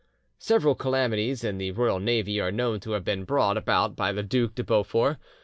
Several calamities in the royal navy are known to have been brought about by the Duc de Beaufort.